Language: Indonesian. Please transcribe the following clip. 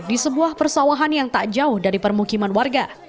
di sebuah persawahan yang tak jauh dari permukiman warga